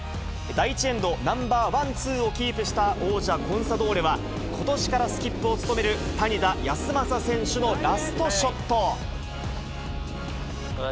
第１エンド、ナンバー１、２をキープした王者、コンサドーレは、ことしからスキップを務める谷田康真選手のラストショット。